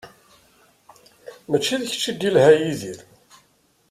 Mačči d kečč i d-yelha a Yidir.